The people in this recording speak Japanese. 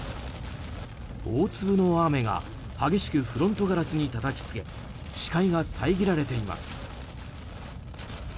大粒の雨が激しくフロントガラスにたたきつけ視界が遮られています。